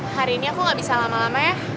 hari ini aku gak bisa lama lama ya